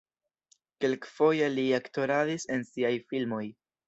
Kelkfoje li aktoradis en siaj filmoj.